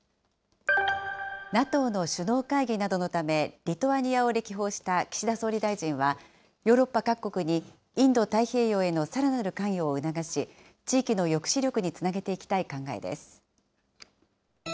ＮＡＴＯの首脳会議などのため、リトアニアを歴訪した岸田総理大臣は、ヨーロッパ各国に、インド太平洋へのさらなる関与を促し、地域の抑止力につなげていきたい考えです。